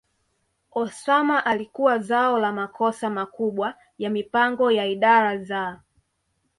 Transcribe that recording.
Osama alikuwa zao la makosa makubwa ya mipango ya idara za